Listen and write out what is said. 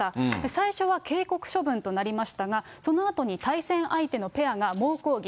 最初は警告処分となりましたが、そのあとに対戦相手のペアが猛抗議。